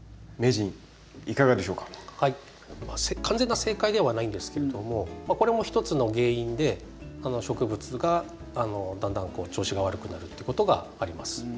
完全な正解ではないんですけれどもこれもひとつの原因で植物がだんだん調子が悪くなるっていうことがあります。